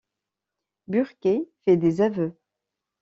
Burker fait des aveux.